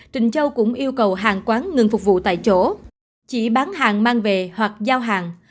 trịnh châu cũng yêu cầu hàng quán ngừng phục vụ tại chỗ chỉ bán hàng mang về hoặc giao hàng